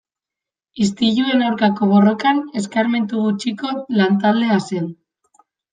Istiluen aurkako borrokan eskarmentu gutxiko lan-taldea zen.